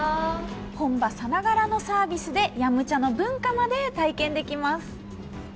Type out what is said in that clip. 本場さながらのサービスで飲茶の文化まで体験できます。